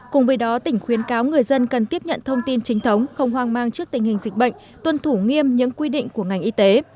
cùng với đó tỉnh khuyến cáo người dân cần tiếp nhận thông tin chính thống không hoang mang trước tình hình dịch bệnh tuân thủ nghiêm những quy định của ngành y tế